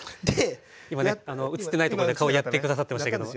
今ね映ってないとこで顔やって下さってましたけども。